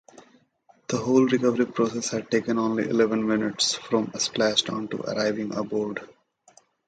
The whole recovery process had taken only eleven minutes, from splashdown to arriving aboard.